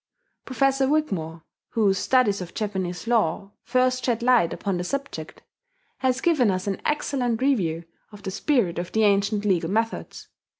Professor Wigmore, whose studies of Japanese law first shed light upon the subject, has given us an excellent review of the spirit of the ancient legal methods.